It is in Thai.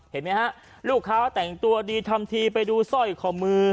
เห็นไหมฮะลูกค้าแต่งตัวดีทำทีไปดูสร้อยคอมือ